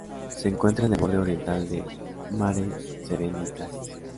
Se encuentra en el borde oriental del Mare Serenitatis.